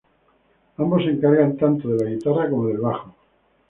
Ambos se encargan tanto de la guitarra como del bajo.